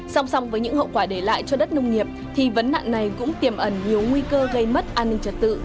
song song với những hậu quả để lại cho đất nông nghiệp thì vấn nạn này cũng tiềm ẩn nhiều nguy cơ gây mất an ninh trật tự